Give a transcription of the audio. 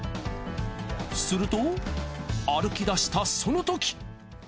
すると歩きだしたそのとき！